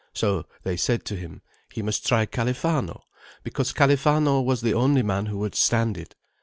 So they said to him, he must try Califano, because Califano was the only man who would stand it.